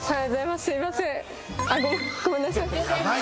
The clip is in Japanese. すいません。